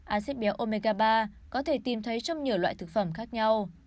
acid béo omega ba có thể tìm thấy trong nhiều loại thực phẩm khác nhau